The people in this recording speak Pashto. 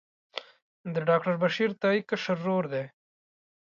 د ډاکټر بشیر تائي کشر ورور دی.